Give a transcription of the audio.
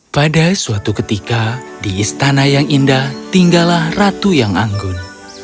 pada suatu ketika di istana yang indah tinggalah ratu yang anggun